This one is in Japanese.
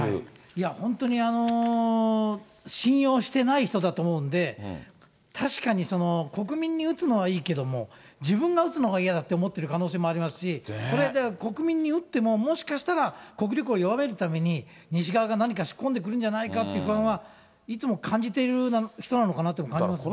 いや、本当に信用してない人だと思うんで、確かに国民に打つのはいいけども、自分が打つのが嫌だって思ってる可能性もありますし、これで国民に打っても、もしかしたら国力を弱めるために、西側が何か仕込んでくるんじゃないかという不安はいつも感じている人なのかなというのを感じますよね。